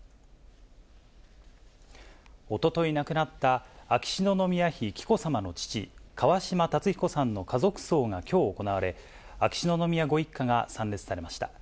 おととい亡くなった、秋篠宮妃紀子さまの父、川嶋辰彦さんの家族葬がきょう行われ、秋篠宮ご一家が参列されました。